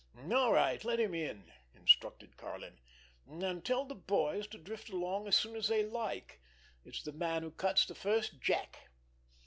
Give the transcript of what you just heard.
"All right, let him in," instructed Karlin. "And tell the boys to drift along as soon as they like. _It's the man who cuts the first jack.